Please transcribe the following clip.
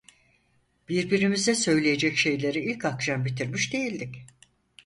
Birbirimize söyleyecek şeyleri ilk akşam bitirmiş değildik.